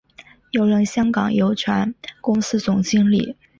又任香港邮船公司总经理。